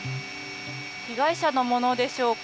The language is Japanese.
被害者のものでしょうか。